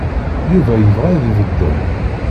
Yuba yebɣa ad ibeddel.